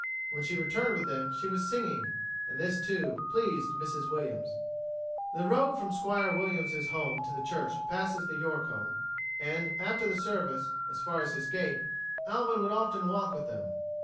When she returned with them she was singing, and this, too, pleased Mrs. Williams. The road from Squire Williams' home to the church passes the York home; and, after the service, as far as his gate, Alvin would often walk with them.